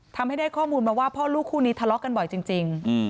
ทำให้ได้ข้อมูลมาว่าพ่อลูกคู่นี้ทะเลาะกันบ่อยจริง